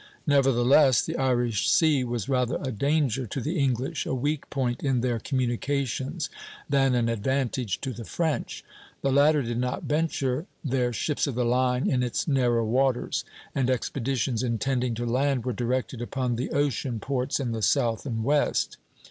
Nevertheless, the Irish Sea was rather a danger to the English a weak point in their communications than an advantage to the French. The latter did not venture their ships of the line in its narrow waters, and expeditions intending to land were directed upon the ocean ports in the south and west.